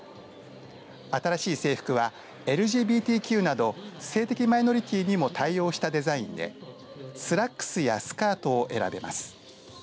新しい制服はＬＧＢＴＱなど性的マイノリティーにも対応したデザインでスラックスやスカートを選べます。